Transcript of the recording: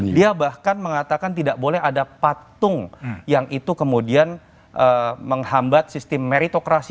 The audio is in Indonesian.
dia bahkan mengatakan tidak boleh ada patung yang itu kemudian menghambat sistem meritokrasi